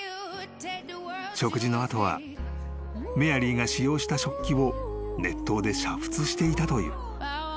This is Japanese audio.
［食事の後はメアリーが使用した食器を熱湯で煮沸していたという］